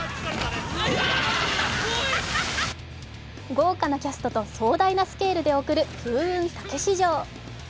豪華なキャストと壮大なスケールで送る「風雲！たけし城」。